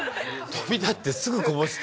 飛び立ってすぐこぼして。